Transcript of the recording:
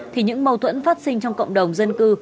thì những mâu thuẫn phát sinh trong cộng đồng dân cư